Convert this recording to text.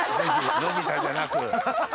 のび太じゃなく。